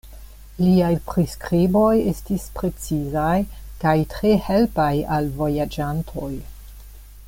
Liaj priskriboj estis precizaj kaj tre helpaj al vojaĝantoj.